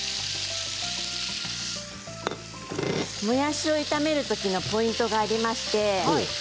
もやしを炒めるときのポイントがあります。